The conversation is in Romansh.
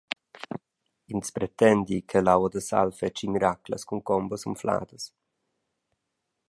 Ins pretendi che l’aua da sal fetschi miraclas cun combas unfladas.